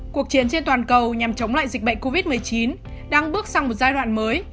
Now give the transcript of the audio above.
cuộc chiến trên toàn cầu nhằm chống lại dịch bệnh covid một mươi chín đang bước sang một giai đoạn mới